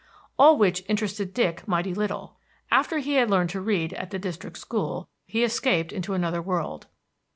All which interested Dick mighty little. After he had learned to read at the district school, he escaped into another world.